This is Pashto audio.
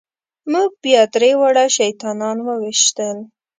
موږ بیا درې واړه شیطانان وويشتل.